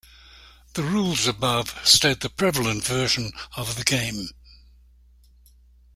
The rules above state the prevalent version of the game.